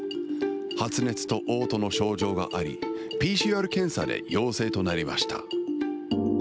発熱とおう吐の症状があり、ＰＣＲ検査で陽性となりました。